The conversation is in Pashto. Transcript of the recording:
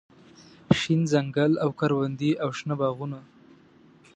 شين ځنګل او کروندې او شنه باغونه